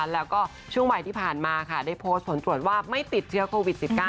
แล้วก็ช่วงบ่ายที่ผ่านมาค่ะได้โพสต์ผลตรวจว่าไม่ติดเชื้อโควิด๑๙